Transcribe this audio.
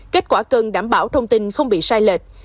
kết quả cân đảm bảo thông tin không bị sai lệch